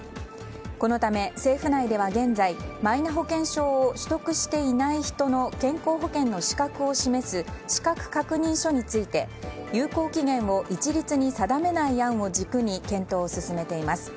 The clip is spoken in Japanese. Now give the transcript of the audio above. このため、政府内では現在、マイナ保険証を取得していない人の健康保険の資格を示す資格確認書について有効期限を一律に定めない案を軸に検討を進めています。